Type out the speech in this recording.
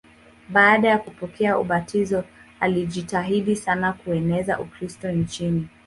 Baada ya kupokea ubatizo alijitahidi sana kueneza Ukristo nchini.